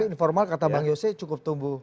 tapi ini formal kata bang yose cukup tumbuh